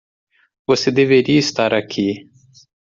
Você deveria estar aqui.